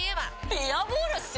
「ビアボール」っすよ